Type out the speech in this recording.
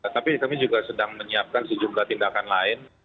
tapi kami juga sedang menyiapkan sejumlah tindakan lain